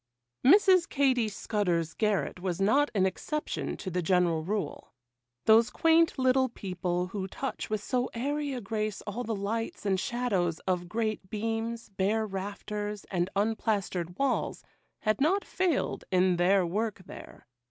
Mrs. Katy Scudder's garret was not an exception to the general rule. Those quaint little people who touch with so airy a grace all the lights and shadows of great beams, bare rafters, and unplastered walls, had not failed in their work there.